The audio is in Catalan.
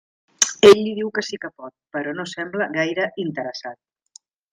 Ell li diu que sí que pot, però no sembla gaire interessat.